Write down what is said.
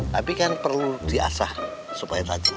tapi kan perlu diasah supaya tajam